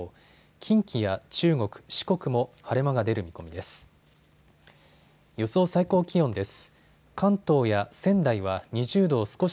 近畿や中国、四国も晴れ間が出る見込みです。